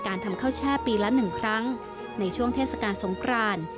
ของเข้าแช่ปีละหนึ่งครั้งในช่วงเทศกาลทรงกราน